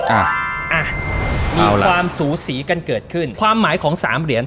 อ่ะมีความสูสีกันเกิดขึ้นความหมายของสามเหรียญ